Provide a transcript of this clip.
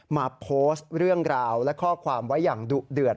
มาโพสต์เรื่องราวและข้อความไว้อย่างดุเดือด